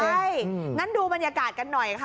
ใช่ดูบรรยากาศกันหน่อย